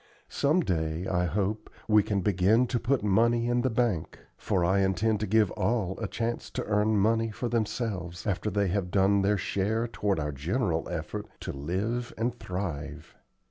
Some day, I hope, we can begin to put money in the bank; for I intend to give all a chance to earn money for themselves, after they have done their share toward our general effort to live and thrive.